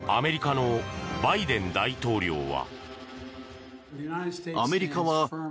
一方アメリカのバイデン大統領は。